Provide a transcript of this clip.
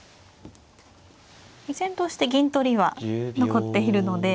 依然として銀取りは残っているので。